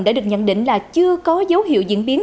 đã được nhận định là chưa có dấu hiệu diễn biến